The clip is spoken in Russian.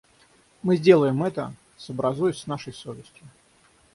Мы сделаем это, сообразуясь с нашей совестью.